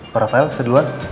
pak rafael saya duluan